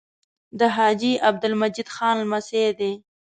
د حاجي عبدالمجید خان لمسی دی.